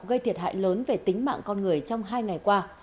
gây thiệt hại lớn về tính mạng con người trong hai ngày qua